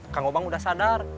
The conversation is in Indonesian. kang gobang udah sadar